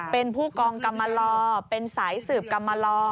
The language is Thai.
เป็นผู้กองกรรมลอเป็นสายสืบกรรมลอ